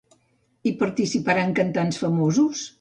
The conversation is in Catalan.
Hi participaran cantants famosos?